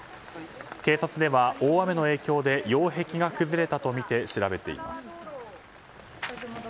警察では、大雨の影響で擁壁が崩れたとみて調べています。